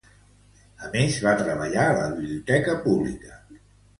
A més, va treballar a la biblioteca pública.